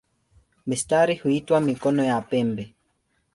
Mistari huitwa "mikono" ya pembe.